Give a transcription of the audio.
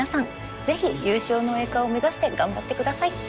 ぜひ優勝の栄冠を目指して頑張って下さい。